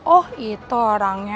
oh itu orangnya